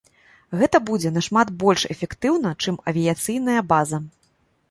Гэта будзе нашмат больш эфектыўна, чым авіяцыйная база.